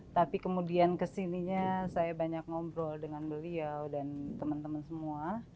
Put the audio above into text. tapi kemudian kesininya saya banyak ngobrol dengan beliau dan teman teman semua